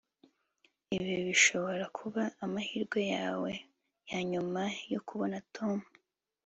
ibi birashobora kuba amahirwe yawe yanyuma yo kubona tom